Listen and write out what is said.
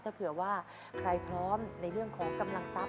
ถ้าเผื่อว่าใครพร้อมในเรื่องของกำลังทรัพย